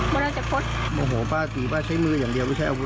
พ่อแกจัดพศโบ้หูป้าตีป้าใช้มืออย่างเดียวหรือใช้อาวุธ